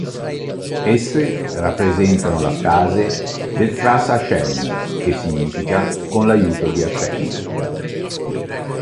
Esse rappresentano la frase "B'ezras Hashem", che significa "con l'aiuto di Hashem".